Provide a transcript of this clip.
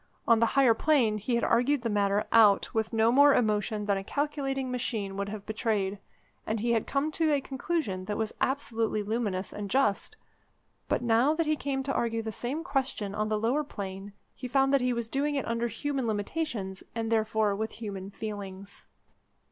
On the higher plane he had argued the matter out with no more emotion than a calculating machine would have betrayed, and he had come to a conclusion that was absolutely luminous and just: but now that he came to argue the same question on the lower plane he found that he was doing it under human limitations, and therefore with human feelings.